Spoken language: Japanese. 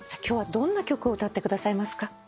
今日はどんな曲を歌ってくださいますか？